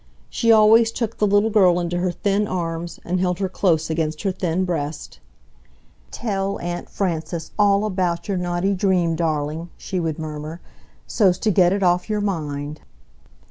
She always took the little girl into her thin arms and held her close against her thin breast. "TELL Aunt Frances all about your naughty dream, darling," she would murmur, "so's to get it off your mind!"